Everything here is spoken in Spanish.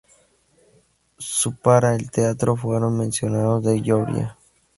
Su para el teatro fueron mencionados en Georgia.